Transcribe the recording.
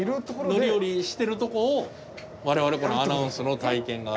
乗り降りしてるとこを我々このアナウンスの体験が。